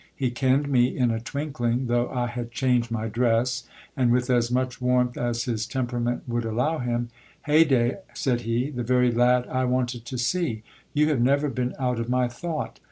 He kenned me in a twinkling, though I had changed my dress ; and with as much warmth as his temperament would allow him ; Hey day ! said he, the very lad I wanted to see ; you have never been out of my thought.